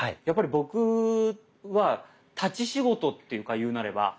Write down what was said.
やっぱり僕は立ち仕事っていうか言うなれば。